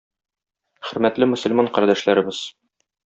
Хөрмәтле мөселман кардәшләребез!